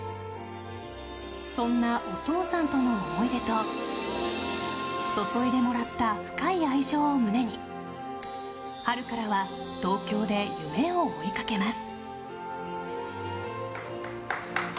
そんなお父さんとの思い出と注いでもらった深い愛情を胸に春からは東京で夢を追いかけます。